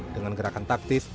dengan gerakan taktis